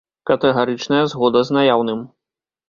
Катэгарычная згода з наяўным.